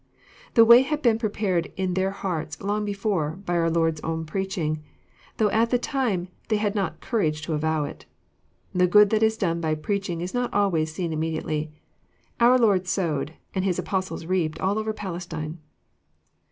The way had been pre pared in their hearts long before, by our Lord's own preaching, though at the time they had not courage to avow it. The good that is done by preaching is not always seen immediately. Our Lord sowed, and His Apostles reaped all over Palestine.